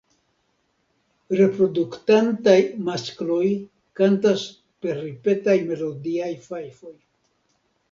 Reproduktantaj maskloj kantas per ripetaj melodiaj fajfoj.